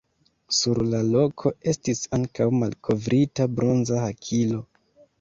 Sur la loko estis ankaŭ malkovrita bronza hakilo.